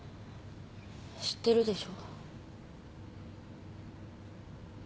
知ってるでしょ？